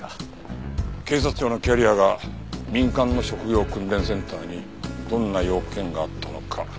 警察庁のキャリアが民間の職業訓練センターにどんな用件があったのか。